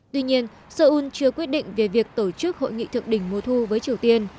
tuy nhiên seoul chưa quyết định về việc tổ chức hội nghị thượng đỉnh mùa thu với triều tiên